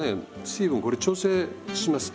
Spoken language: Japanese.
水分これ調整します。